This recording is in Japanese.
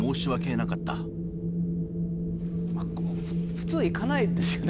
普通、行かないですよね